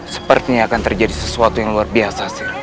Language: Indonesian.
sepertinya akan terjadi sesuatu yang luar biasa sih